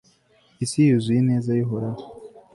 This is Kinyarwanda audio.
isi yuzuye ineza y'uhoraho